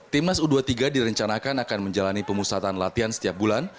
timnas u dua puluh tiga direncanakan akan menjalani pemusatan latihan setiap bulan